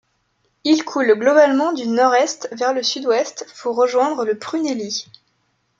Il coule globalement du nord-est vers le sud-ouest pour rejoindre le Prunelli.